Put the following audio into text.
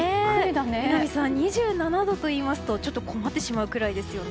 榎並さん、２７度といいますと困ってしまうくらいですよね。